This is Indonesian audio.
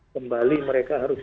kembali mereka harus